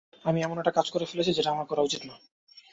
আমি এমন একটা কাজ করে ফেলেছি যেটা আমার করা উচিৎ না।